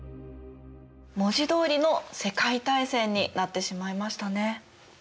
文字どおりの世界大戦になってしまいましたね。